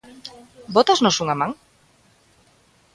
"Bótasnos unha man?".